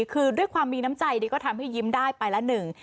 คือด้วยความมีน้ำใจดีก็ทำให้ยิ้มได้ไปละหนึ่ง